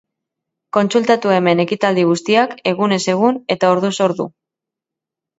Kontsultatu hemen ekitaldi guztiak, egunez egun eta orduz ordu.